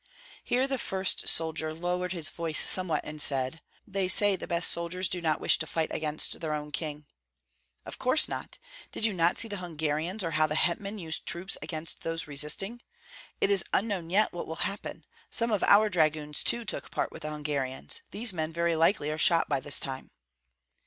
Here the first soldier lowered his voice somewhat and said, "They say the best soldiers do not wish to fight against their own king." "Of course not! Did you not see the Hungarians, or how the hetman used troops against those resisting. It is unknown yet what will happen. Some of our dragoons too took part with the Hungarians; these men very likely are shot by this time."